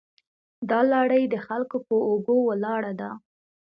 دا لړۍ د خلکو په اوږو ولاړه ده.